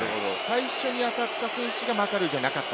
最初に当たった選手がマカルーじゃなかった。